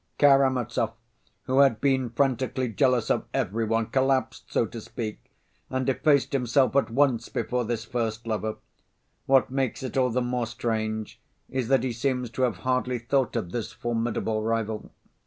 "Karamazov, who had been frantically jealous of every one, collapsed, so to speak, and effaced himself at once before this first lover. What makes it all the more strange is that he seems to have hardly thought of this formidable rival.